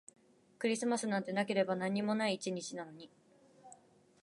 クリスマスなんてなければ何にもない一日なのに